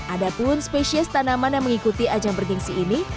ada pun spesies tanaman yang mengikuti ajang bergensi ini